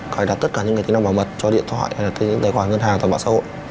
cải đặt tất cả những tính năng bảo mật cho điện thoại hay tài khoản ngân hàng tài khoản xã hội